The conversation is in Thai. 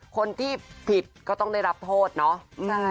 คนที่ผิดก็ต้องได้รับโทษเนาะ